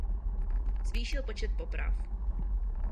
Zvýšil počet poprav.